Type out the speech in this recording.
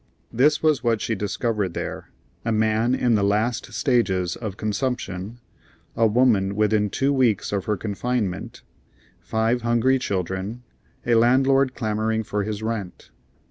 This was what she discovered there: a man in the last stages of consumption, a woman within two weeks of her confinement, five hungry children, a landlord clamoring for his rent.